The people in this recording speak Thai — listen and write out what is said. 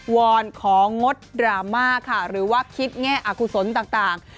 อนของงดดราม่าค่ะหรือว่าคิดแง่อากุศลต่าง